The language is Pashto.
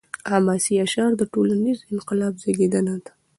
حماسي اشعار د ټولنیز انقلاب زیږنده دي.